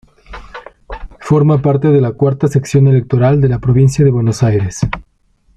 Forma parte de la Cuarta Sección Electoral de la Provincia de Buenos Aires.